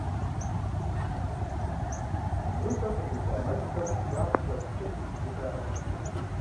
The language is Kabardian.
Бгыхэм къытекӀэ мэзхэм щӀы щӀагъым щӀэт псыр зэтраӀыгъэ.